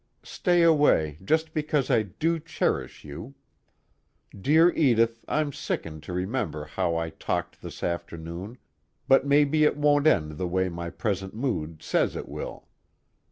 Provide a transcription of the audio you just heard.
Stay away just because I do cherish you. Dear Edith, I'm sickened to remember how I talked this afternoon but maybe it won't end the way my present mood says it will.